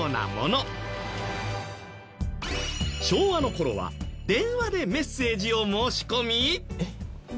昭和の頃は電話でメッセージを申し込み。